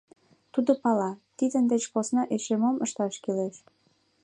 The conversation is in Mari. Тудо пала, тидын деч посна эше мом ышташ кӱлеш.